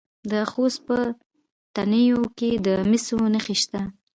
د خوست په تڼیو کې د مسو نښې شته.